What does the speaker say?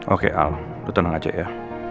oke al lo tenang aja ya